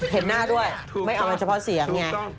เห็นหน้าด้วยไม่เอากันเฉพาะเสียงไง